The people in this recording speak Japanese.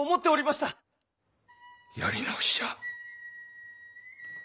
やり直しじゃ。